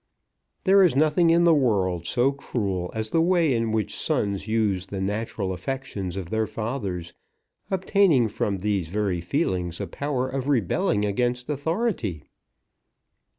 There is nothing in the world so cruel as the way in which sons use the natural affections of their fathers, obtaining from these very feelings a power of rebelling against authority!